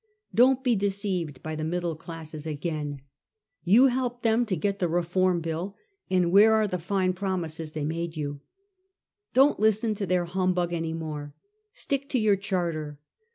Don't be deceived by the middle classes again I You helped them to get the Reform Bill, and where are the fine promises they made you? Don't listen to their humbug any more. Stick to your Charter.